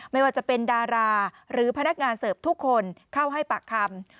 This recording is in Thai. ไม่ว่าจะเป็นดาราหรือพนักงานเสิร์ฟทุกคนเข้าให้ปากคำ